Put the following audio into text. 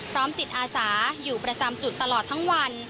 จิตอาสาอยู่ประจำจุดตลอดทั้งวัน